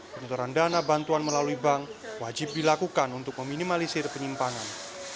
penuturan dana bantuan melalui bank wajib dilakukan untuk meminimalisir penyimpanan